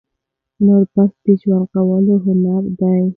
نور بس د ژوند کولو هنر دى،